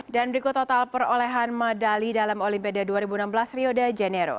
dan berikut total perolehan madali dalam olimpia dua ribu enam belas rio de janeiro